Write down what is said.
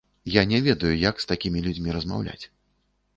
Я не ведаю, як з такімі людзьмі размаўляць.